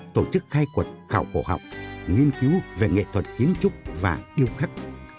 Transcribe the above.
tổ chức khai quật khảo cổ học nghiên cứu về nghệ thuật kiến trúc và điêu khắc